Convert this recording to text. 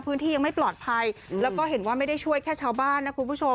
พื้นที่ยังไม่ปลอดภัยแล้วก็เห็นว่าไม่ได้ช่วยแค่ชาวบ้านนะคุณผู้ชม